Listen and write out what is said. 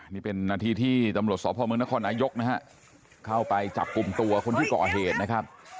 นี่เป็นนาทีที่ตำรวจสพเมืองนครนายกนะฮะเข้าไปจับกลุ่มตัวคนที่ก่อเหตุนะครับ